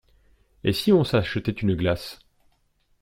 Et si on s’achetait une glace?